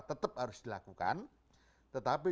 tetap harus dilakukan tetapi